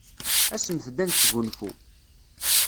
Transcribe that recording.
Asemt-d ad nesgunfu.